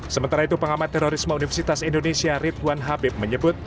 sementara itu pengamat terorisme universitas indonesia ridwan habib menyebut